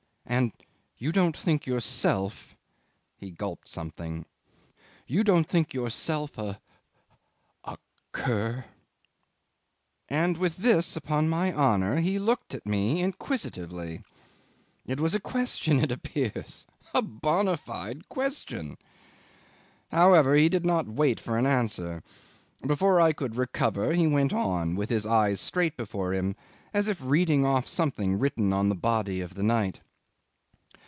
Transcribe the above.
And you don't think yourself" ... he gulped something ... "you don't think yourself a a cur?" 'And with this upon my honour! he looked up at me inquisitively. It was a question it appears a bona fide question! However, he didn't wait for an answer. Before I could recover he went on, with his eyes straight before him, as if reading off something written on the body of the night.